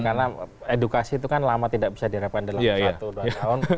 karena edukasi itu kan lama tidak bisa direpandang satu dua tahun